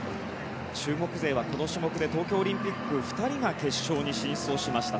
中国勢はこの種目で東京オリンピック２人が決勝に進出しました。